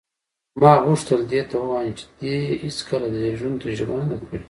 ما غوښتل دې ته ووایم چې دې هېڅکله د زېږون تجربه نه ده کړې.